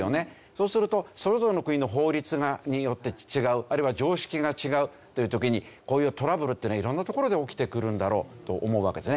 そうするとそれぞれの国の法律によって違うあるいは常識が違うという時にこういうトラブルってね色んなところで起きてくるんだろうと思うわけですね。